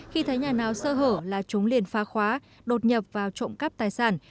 khi thấy nhà nào sơ hở là chúng liền phá khóa đột nhập vào trộm cắp tài sản